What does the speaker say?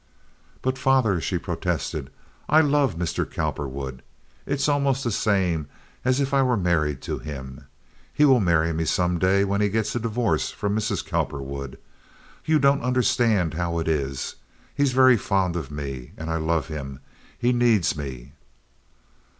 "But father," she protested, "I love Mr. Cowperwood. It's almost the same as if I were married to him. He will marry me some day when he gets a divorce from Mrs. Cowperwood. You don't understand how it is. He's very fond of me, and I love him. He needs me."